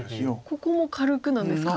ここも軽くなんですか。